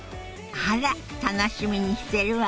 あら楽しみにしてるわ。